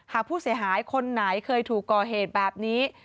หากผู้เสียหายคนไหนเคยถูกก่อเหตุแบบนี้